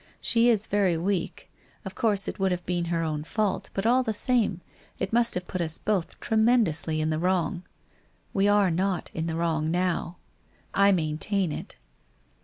She is very weak, of course it would have been her own fault, but all the same, it must have put us both tremendously in the wrong. We are not in the wrong now. I maintain it.